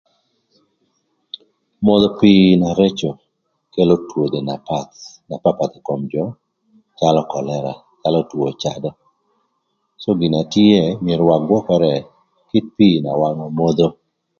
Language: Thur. Modho pii na rëcö kelo twoe na path na papath ï kom jö calö kölëra, calö two cadö cë gin na tye myero ëgwökërë kï pii na wan emodho.